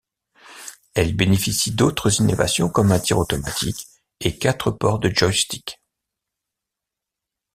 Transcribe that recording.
Elle bénéficie d'autres innovations comme un tir automatique et quatre ports de joystick.